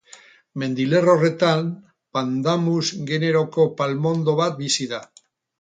Mendilerro horretan, Pandanus generoko palmondo bat bizi da.